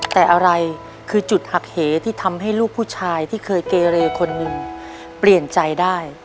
แต่อะไรคือจุดหักเหที่ทำให้ลูกผู้ชายที่เคยเกเรคนหนึ่งเปลี่ยนใจได้